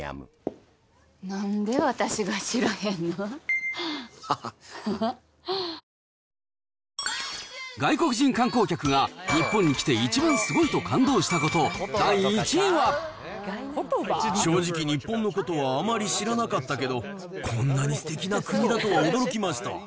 ドイツだと大声でしゃべったり、食べ物を食べてこぼしたり、外国人観光客が日本に来て一番すごいと感動したこと第１位は正直、日本のことはあまり知らなかったけど、こんなにすてきな国だとは驚きました。